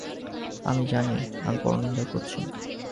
আমি জানি আমি পরনিন্দা করছি।